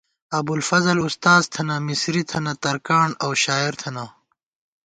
ابُوالفضل اُستاذ تھنہ، مسری تھنہ ، ترکاݨ اؤ شاعر تھنہ